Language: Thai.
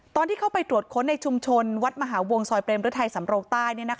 ตอนที่เข้าไปตรวจค้นในชุมชนวัดมหาวงซอยเปรมฤทัยสำโรงใต้